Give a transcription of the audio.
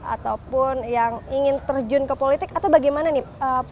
ataupun yang ingin terjun ke politik atau bagaimana nih